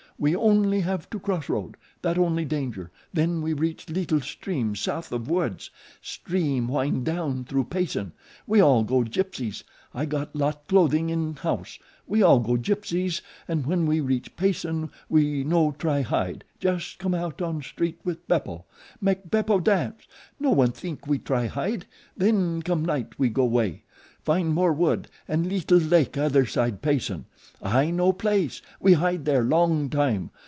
We on'y have to cross road, that only danger. Then we reach leetle stream south of woods, stream wind down through Payson. We all go Gypsies. I got lot clothing in house. We all go Gypsies, an' when we reach Payson we no try hide jus' come out on street with Beppo. Mak' Beppo dance. No one think we try hide. Then come night we go 'way. Find more wood an' leetle lake other side Payson. I know place. We hide there long time.